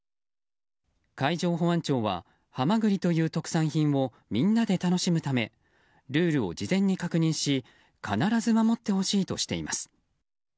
海上保安庁はハマグリという特産品をみんなで楽しむためルールを事前に確認し必ず守ってほしいとしています。